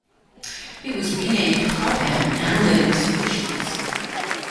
It was renamed Cobham Analytic Solutions.